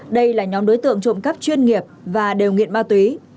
đây là nhóm đối tượng trộm cắp chuyên nghiệp và đều nghiện ma túy